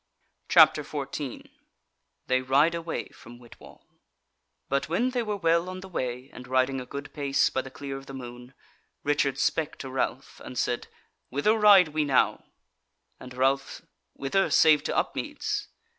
CHAPTER 14 They Ride Away From Whitwall But when they were well on the way, and riding a good pace by the clear of the moon, Richard spake to Ralph, and said: "Wither ride we now?" said Ralph: "Wither, save to Upmeads?"